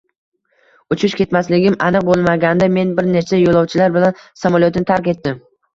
Uchish -ketmasligim aniq bo'lmaganda, men bir nechta yo'lovchilar bilan samolyotni tark etdim